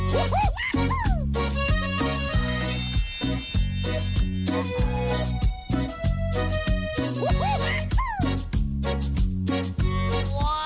มันคืออะไร